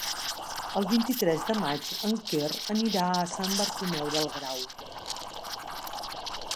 El vint-i-tres de maig en Quer anirà a Sant Bartomeu del Grau.